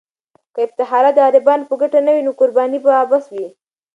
که افتخارات د غریبانو په ګټه نه وي، نو قرباني به عبث وي.